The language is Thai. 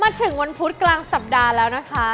ถึงวันพุธกลางสัปดาห์แล้วนะคะ